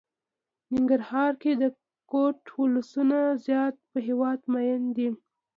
ننګرهار کې د کوټ ولسونه زيات په هېواد ميئن دي.